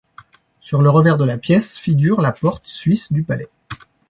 Sur le revers de la pièce, figure la porte suisse du Palais.